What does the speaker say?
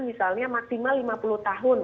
misalnya maksimal lima puluh tahun